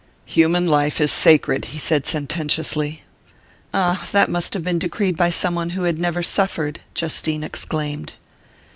"Human life is sacred," he said sententiously. "Ah, that must have been decreed by some one who had never suffered!" Justine exclaimed.